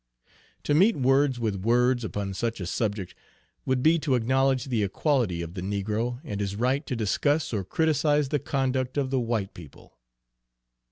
To meet words with words upon such a subject would be to acknowledge the equality of the negro and his right to discuss or criticise the conduct of the white people.